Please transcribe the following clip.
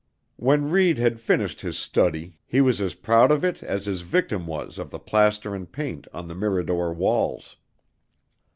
When Reid had finished his "study," he was as proud of it as his victim was of the plaster and paint on the Mirador walls.